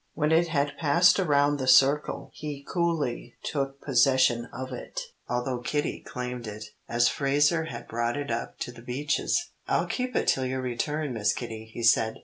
When it had passed around the circle he coolly took possession of it, although Kitty claimed it, as Frazer had brought it up to The Beeches. "I'll keep it till your return, Miss Kitty," he said.